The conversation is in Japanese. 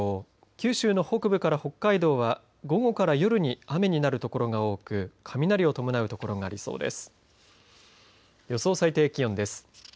九州の北部から北海道は午後から夜に雨になるところが多く雷を伴うところがありそうです。